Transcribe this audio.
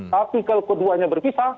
tapi kalau keduanya berpisah